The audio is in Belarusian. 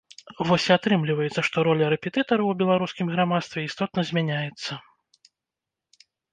Вось і атрымліваецца, што роля рэпетытараў у беларускім грамадстве істотна змяняецца.